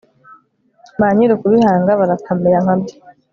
ba nyir'ukubihanga barakamera nka byo